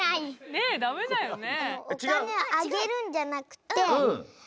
ねえダメだよね。